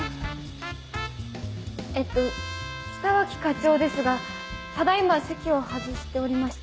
えっと北脇課長ですがただ今席を外しておりまして。